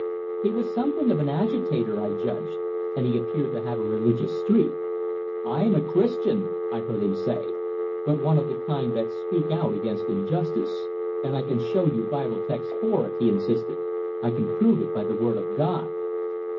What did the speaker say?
He was something of an agitator, I judged, and he appeared to have a religious streak. "I am a Christian," I heard him say; "but one of the kind that speak out against injustice. And I can show you Bible texts for it," he insisted. "I can prove it by the word of God."